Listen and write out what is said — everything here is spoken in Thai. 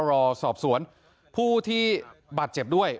รอสอบสวนผู้ที่บาดเจ็บด้วย